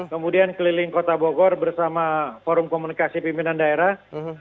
kemudian keliling kota bogor bersama forum komunikasi pimpinan daerah